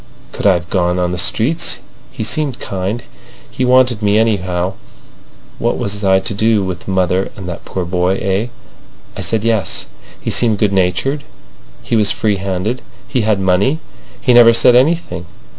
Could I've gone on the streets? He seemed kind. He wanted me, anyhow. What was I to do with mother and that poor boy? Eh? I said yes. He seemed good natured, he was freehanded, he had money, he never said anything.